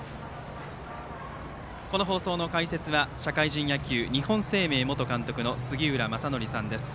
この放送の解説は社会人野球、日本生命元監督の杉浦正則さんです。